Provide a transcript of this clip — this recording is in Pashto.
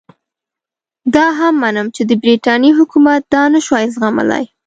دا هم منم چې د برټانیې حکومت دا نه شوای زغملای.